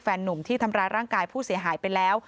หนุ่มที่ทำร้ายร่างกายผู้เสียหายไปแล้ว